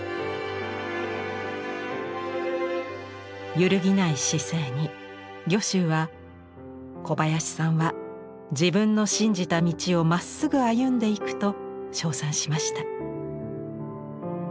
揺るぎない姿勢に御舟は「小林さんは自分の信じた道をまっすぐ歩んでいく」と称賛しました。